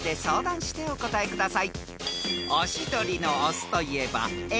［さあお答えください］